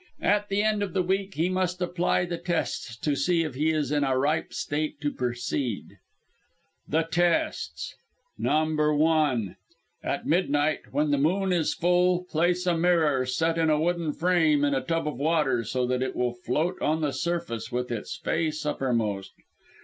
At the end of the week he must apply the tests to see if he is in a ripe state to proceed. "The tests "No. 1. At midnight, when the moon is full, place a mirror, set in a wooden frame, in a tub of water, so that it will float on the surface with its face uppermost.